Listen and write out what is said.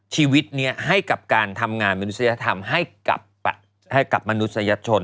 ชีวิตนี้ให้กับการทำงานมนุษยธรรมให้กับมนุษยชน